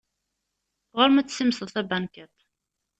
Ɣur-m ad tessimseḍ tabankiṭ.